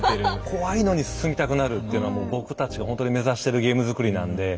怖いのに進みたくなるっていうのはもう僕たちがほんとに目指してるゲーム作りなんで。